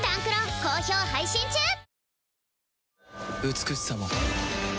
美しさも